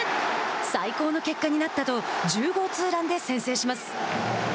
最高の結果になったと１０号ツーランで先制します。